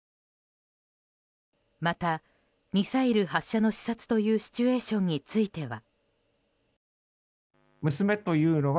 また、ミサイル発射の視察というシチュエーションについては。